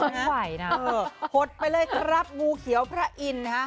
ไม่ไหวนะเออหดไปเลยครับงูเขียวพระอินทร์นะฮะ